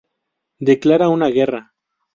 Declara una guerra.